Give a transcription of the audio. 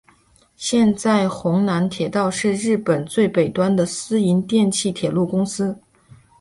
现在弘南铁道是日本最北端的私营电气铁路公司。